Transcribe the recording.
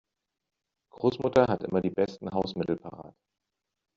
Großmutter hat immer die besten Hausmittel parat.